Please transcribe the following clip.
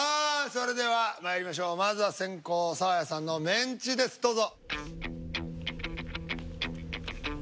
それではまいりましょうまずは先攻サーヤさんのメンチですどうぞ。